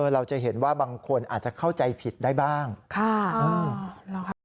เราจะเห็นว่าบางคนอาจจะเข้าใจผิดได้บ้างค่ะอ๋อหรอครับ